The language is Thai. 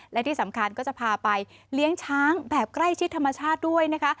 และที่สำคัญก็จะพาไปเลี้ยงช้างแบบใกล้ชิดธรรมชาติด้วยนะคะ